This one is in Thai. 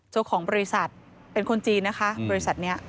เจ้าของบริษัทเป็นคนจีนนะครับ